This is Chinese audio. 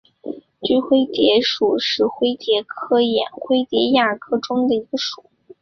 锯灰蝶属是灰蝶科眼灰蝶亚科中的一个属。